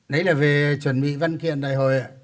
đấy là về chuẩn bị văn kiện đại hội